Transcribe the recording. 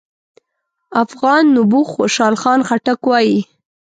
افغان نبوغ خوشحال خان خټک وايي: